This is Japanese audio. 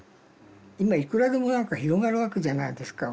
今いくらでも何か広がるわけじゃないですか